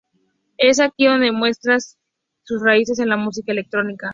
Es aquí donde muestra su sus raíces en la música electrónica.